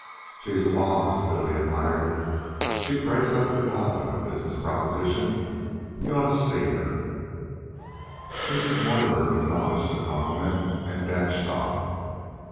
"She's a wooz," Billy admired. "She'd brace up to God on a business proposition. You oughta seen her." Mrs. Mortimer acknowledged the compliment and dashed on.